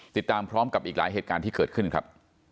ติดตามพร้อมกับอีกหลายเหตุการณ์ที่เกิดขึ้นครับ